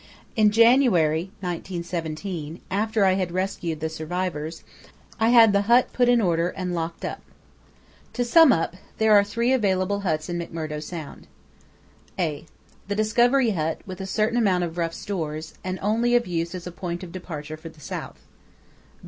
In January 1917, after I had rescued the survivors, I had the hut put in order and locked up. To sum up, there are three available huts in McMurdo Sound. (a) The Discovery Hut with a certain amount of rough stores, and only of use as a point of departure for the South.